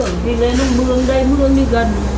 đi lên ông mương đây mương đi gần